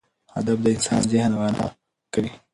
ادب د انسان ذهن غنا کوي.